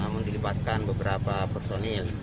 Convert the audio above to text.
menggabungkan beberapa personil